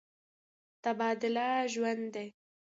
تبادله ژوند دی.